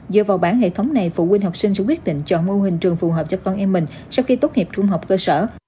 dựa vào bản hệ thống này phụ huynh học sinh sẽ quyết định chọn mô hình trường phù hợp cho con em mình sau khi tốt nghiệp trung học cơ sở